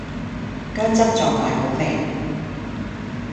薑汁撞奶好味